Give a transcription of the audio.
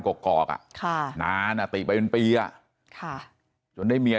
กอกอ่ะค่ะนานอ่ะติไปเป็นปีอ่ะค่ะจนได้เมีย